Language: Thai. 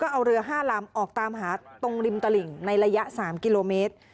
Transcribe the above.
เอาเรือ๕ลำออกตามหาตรงริมตลิ่งในระยะ๓กิโลเมตร